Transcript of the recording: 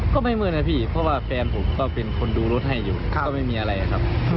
ก็คือแฟนสาวให้ลงไปดูให้จังหลัก